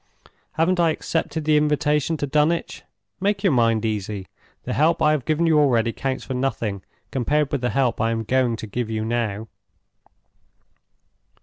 Haven't I accepted the invitation to Dunwich? Make your mind easy. The help I have given you already counts for nothing compared with the help I am going to give you now.